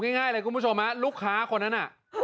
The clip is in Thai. สรุปง่ายเลยคุณผู้ชมลูกค้าคนนั้น